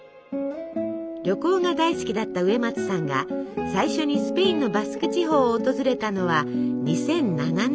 旅行が大好きだった植松さんが最初にスペインのバスク地方を訪れたのは２００７年。